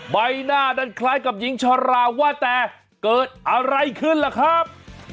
ใบหน้านั้นคล้ายกับหญิงชราว่าแต่เกิดอะไรขึ้นล่ะครับ